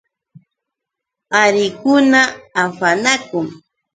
Qarikuna afanakun.